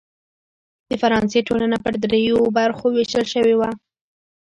د فرانسې ټولنه پر دریوو برخو وېشل شوې وه.